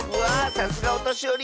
さすがおとしより